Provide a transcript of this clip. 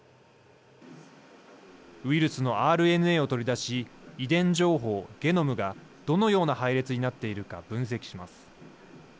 ウイルスのＲＮＡを取り出し遺伝情報＝ゲノムがどのような配列になっているか分析します。